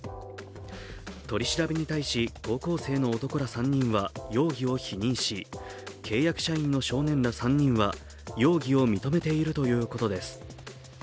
取り調べに対し高校生の男ら３人は容疑を否認し、契約社員の少年ら３人は容疑を認めているということです。